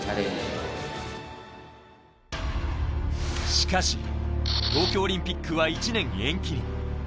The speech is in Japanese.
しかし東京オリンピックは１年延期に。